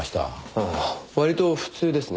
ああ割と普通ですね。